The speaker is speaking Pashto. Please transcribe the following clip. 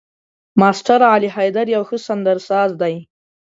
ماسټر علي حيدر يو ښه سندرساز دی.